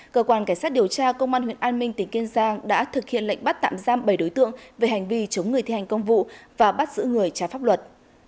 cơ quan cảnh sát điều tra công an huyện an minh tỉnh kiên giang đã thực hiện lệnh bắt tạm giam bảy đối tượng về hành vi chống người thi hành công vụ và bắt giữ người trái pháp luật